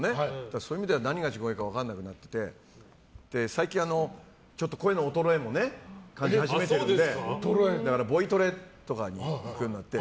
そういう意味では何が地声か分からなくて最近、声の衰えも感じ始めているのでだからボイトレとかに行くようになって。